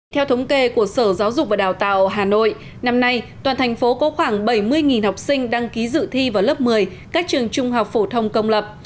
theo thống kê của sở giáo dục và đào tạo hà nội năm nay toàn thành phố có khoảng bảy mươi học sinh đăng ký dự thi vào lớp một mươi các trường trung học phổ thông công lập